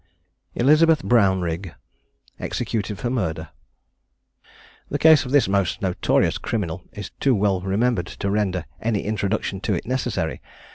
ELIZABETH BROWNRIGG. EXECUTED FOR MURDER. The case of this most notorious criminal is too well remembered to render any introduction to it necessary.